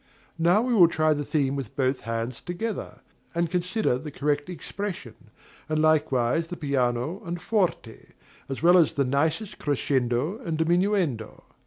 Now we will try the theme with both hands together, and consider the correct expression, and likewise the piano and forte, as well as the nicest crescendo and diminuendo.